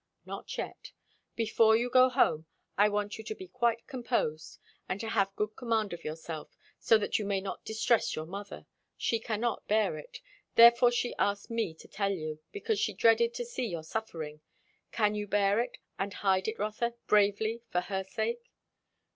"Not yet. Before you go home I want you to be quite composed, and to have good command of yourself, so that you may not distress your mother. She cannot bear it. Therefore she asked me to tell you, because she dreaded to see your suffering. Can you bear it and hide it, Rotha, bravely, for her sake?"